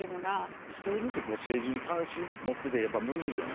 １人ずつ政治に関心持ってってやっぱむずいよな。